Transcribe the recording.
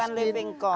bukan living cost